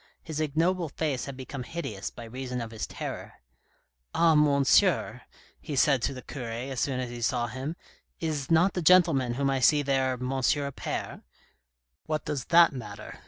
His ignoble face had become hideous by reason of his terror. " Ah, monsieur," he said to the cure as soon as he saw him, " is not the gentleman whom I see there, M. Appert ?"" What does that matter